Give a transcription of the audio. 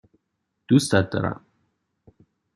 دوستت دارم.